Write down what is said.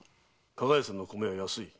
加賀屋さんの米は安い。